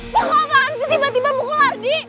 kok apaan sih tiba tiba mukul ardi